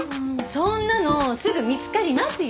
そんなのすぐ見つかりますよ。